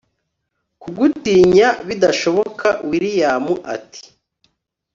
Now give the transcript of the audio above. kugutinya bidashoboka william ati